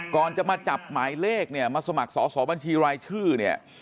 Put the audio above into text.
ก่อนจะมาจับหมายเลขเนี่ยมาสมัครสอบบัญชีรายชื่อเนี่ย